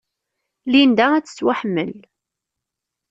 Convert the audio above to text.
Linda ad tettwaḥemmel.